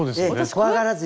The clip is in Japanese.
怖がらずに。